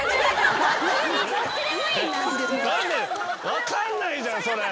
分かんないじゃんそれ。